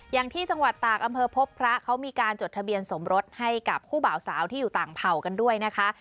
อย่างที่จังหวัดตากอำเภอพบพระเขามีการจดทะเบียนสมรสให้กับคู่บ่าวสาวที่อยู่ต่างเผ่ากันด้วยนะคะ